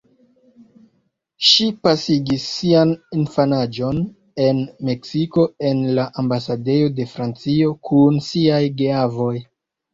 Ŝi pasigis sian infanaĝon en Meksiko en la ambasadejo de Francio kun siaj geavoj.